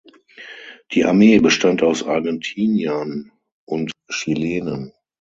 Die Armee bestand aus Argentiniern und Chilenen.